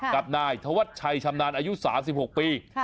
กับนายธวัชชัยชำนาญอายุ๓๖ปี